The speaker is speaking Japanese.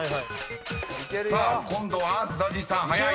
［さあ今度はＺＡＺＹさん早い］